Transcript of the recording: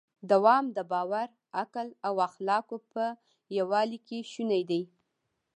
دوام د باور، عقل او اخلاقو په یووالي کې شونی دی.